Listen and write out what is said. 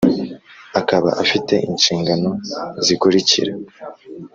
akaba afite inshingano zikurikira: